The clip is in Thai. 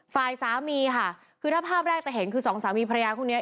ฝ่ายสามีค่ะคือถ้าภาพแรกจะเห็นคือสองสามีภรรยาคู่นี้